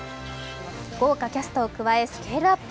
豪華キャストを加えスケールアップ。